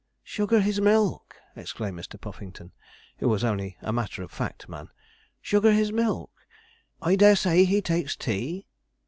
'Sugar his milk!' exclaimed Mr. Puffington, who was only a matter of fact man; 'sugar his milk! I dare say he takes tea.'